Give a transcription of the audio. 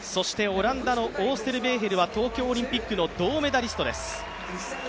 オランダのオーステルベーヘルは東京オリンピックの銅メダリストです。